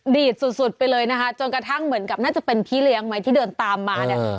ดีดสุดสุดไปเลยนะคะจนกระทั่งเหมือนกับน่าจะเป็นพี่เลี้ยงไหมที่เดินตามมาเนี่ย